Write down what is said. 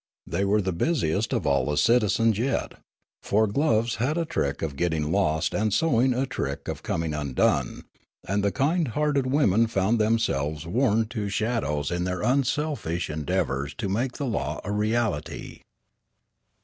They were the busiest Of all the citizens j et; for gloves had a trick of getting lost and sewing a trick of coming undone; and the kind hearted women found themselves worn to shadows in their unselfish endeav ours to make the law a reality.